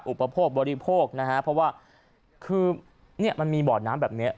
อุปโภคบริโภคนะฮะเพราะว่าคือเนี่ยมันมีบ่อน้ำแบบนี้